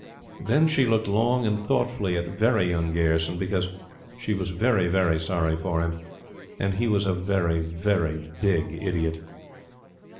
Then she looked long and thoughtfully at "Very Young" Gayerson; because she was very, very sorry for him, and he was a very, very big idiot.